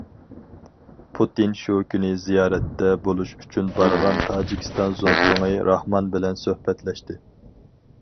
پۇتىن شۇ كۈنى زىيارەتتە بولۇش ئۈچۈن بارغان تاجىكىستان زۇڭتۇڭى راخمان بىلەن سۆھبەتلەشتى.